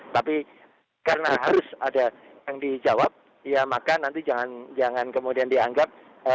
tapi karena harus ada yang dijawab ya maka nanti jangan kemudian dianggap